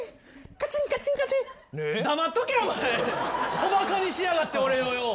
小バカにしやがって俺をよ。